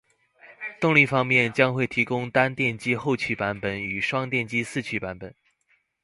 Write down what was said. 动力方面，将会提供单电机后驱版本与双电机四驱版本